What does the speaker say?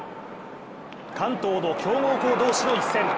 関東の強豪校同士の一戦。